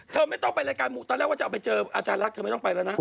ไม่ต้องไปรายการหมู่ตอนแรกว่าจะเอาไปเจออาจารย์รักเธอไม่ต้องไปแล้วนะ